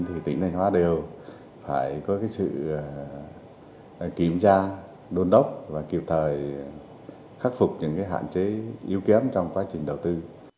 thì tỉnh thanh hóa đều phải có sự kiểm tra đôn đốc và kịp thời khắc phục những hạn chế yếu kém trong quá trình đầu tư